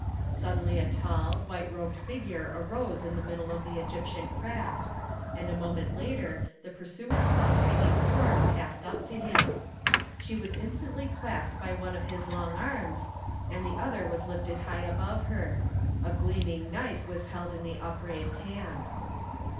Suddenly a tall, white robed figure arose in the middle of the Egyptian craft, and a moment later the pursuers saw Peggy's form passed up to him. She was instantly clasped by one of his long arms, and the other was lifted high above her. A gleaming knife was held in the upraised hand.